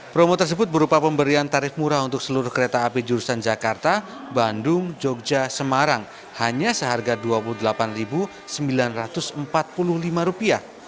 promo tersebut berupa pemberian tarif murah untuk seluruh kereta api jurusan jakarta bandung jogja semarang hanya seharga rp dua puluh delapan sembilan ratus empat puluh lima